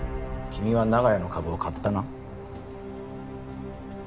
君は長屋の株を買ったな？